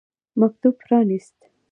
مکتوب پرانیست.